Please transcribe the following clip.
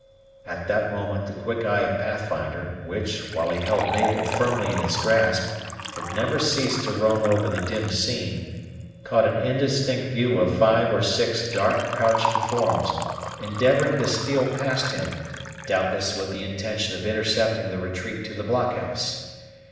At that moment the quick eye of Pathfinder, which, while he held Mabel firmly in his grasp, had never ceased to roam over the dim scene, caught an indistinct view of five or six dark crouching forms, endeavoring to steal past him, doubtless with the intention of intercepting the retreat to the blockhouse.